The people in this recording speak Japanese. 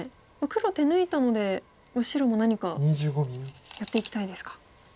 黒手抜いたので白も何かやっていきたいですか。